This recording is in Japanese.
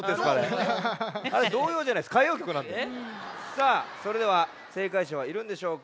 さあそれではせいかいしゃはいるんでしょうか？